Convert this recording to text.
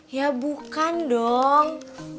ya bukan dong